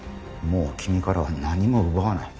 もう君からは何も奪わない。